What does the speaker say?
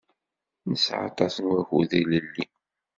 Nesɛa aṭas n wakud ilelli.